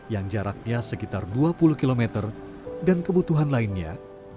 yang jaraknya sekitar dua puluh km dan kebutuhan lainnya